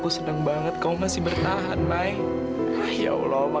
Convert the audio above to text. sampai jumpa di video selanjutnya